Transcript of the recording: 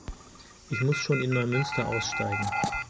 Ich muss schon in Neumünster aussteigen